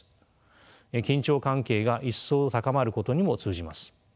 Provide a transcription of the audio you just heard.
緊張関係が一層高まることにも通じます。